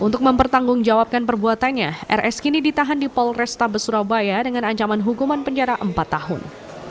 untuk mempertanggungjawabkan perbuatannya rs kini ditahan di polrestabes surabaya dengan ancaman hukuman penjara empat tahun